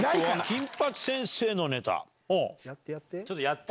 金八先生のネタ。